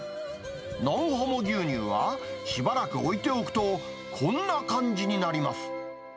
ノンホモ牛乳はしばらく置いておくと、こんな感じになります。